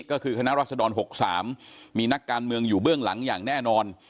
ก็คือคณะรัศดร๖๓มีนักการเมืองอยู่เบื้องหลังอย่างแน่นอน